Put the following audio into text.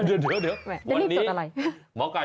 ไม่มีโปรดอะไร